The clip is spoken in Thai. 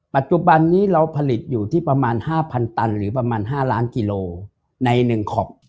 ปัจจุบันนี้เราผลิตอยู่ที่ประมาณ๕๐๐ตันหรือประมาณ๕ล้านกิโลใน๑ขอบ